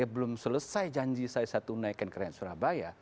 belum selesai janji saya saat menaikkan keranian surabaya